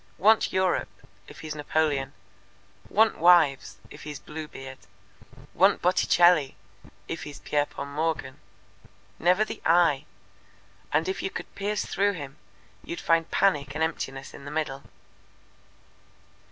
'Want Europe,' if he's Napoleon; 'want wives,' if he's Bluebeard; 'want Botticelli,' if he's Pierpont Morgan. Never the 'I'; and if you could pierce through him, you'd find panic and emptiness in the middle."